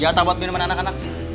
jatah buat minuman anak anak